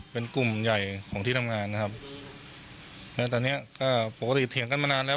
เป็นกลุ่มใหญ่ของที่ทำงานนะครับแล้วตอนเนี้ยก็ปกติเถียงกันมานานแล้ว